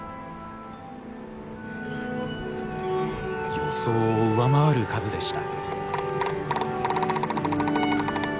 予想を上回る数でした。